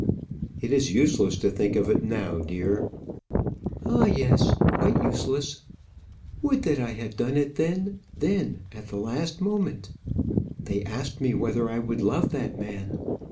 "It is useless to think of it now, dear." "Ah, yes! quite useless. Would that I had done it then then, at the last moment. They asked me whether I would love that man.